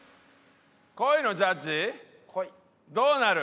恋のジャッジどうなる？